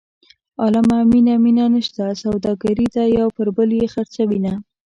عالمه مینه مینه نشته سوداګري ده یو پر بل یې خرڅوینه.